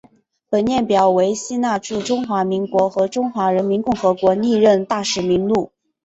本列表为希腊驻中华民国和中华人民共和国历任大使名录。